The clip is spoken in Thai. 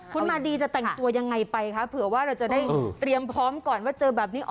คุณมาดีจะแต่งตัวยังไงไปคะเผื่อว่าเราจะได้เตรียมพร้อมก่อนว่าเจอแบบนี้